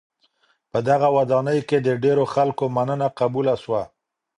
په دغه ودانۍ کي د ډېرو خلکو مننه قبوله سوه.